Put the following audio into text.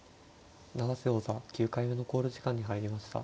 永瀬王座９回目の考慮時間に入りました。